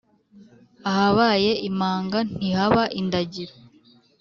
Ahabaye imanga ntihaba indagiro